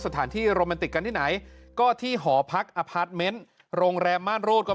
สถานที่โรแมนติกกันที่ไหนก็ที่หอพักอพาร์ทเมนต์โรงแรมม่านรูดก็